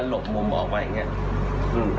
ลบมุมออกไปอย่างนี้